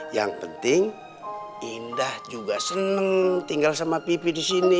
yang penting indah juga senang tinggal sama pipi di sini